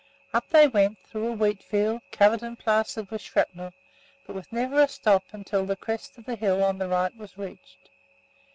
Up they went, through a wheat field, covered and plastered with shrapnel, but with never a stop until the crest of the hill on the right was reached.